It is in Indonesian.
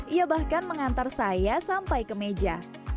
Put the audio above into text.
ia bahkan mengantar saya sampai ke meja